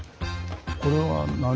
これは何。